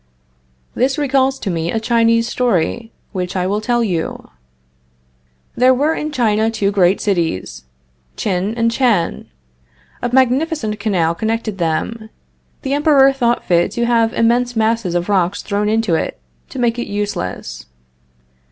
This recalls to me a Chinese story, which I will tell you. There were in China two great cities, Tchin and Tchan. A magnificent canal connected them. The Emperor thought fit to have immense masses of rock thrown into it, to make it useless.